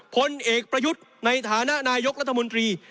ผลเอกประยุทธ์ในฐานะนายกรัฐมนตรี